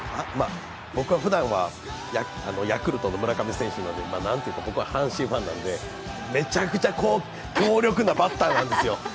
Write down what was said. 僕はふだんはヤクルトの村上選手なんで、阪神ファンなんで、めちゃくちゃ強力なバッターなんですよ。